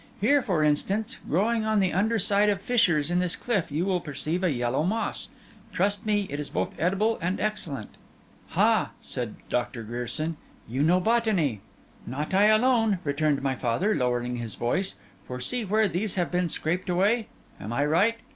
Here, for instance, growing on the under side of fissures in this cliff, you will perceive a yellow moss. Trust me, it is both edible and excellent.' 'Ha!' said Doctor Grierson, 'you know botany!' 'Not I alone,' returned my father, lowering his voice; 'for see where these have been scraped away. Am I right?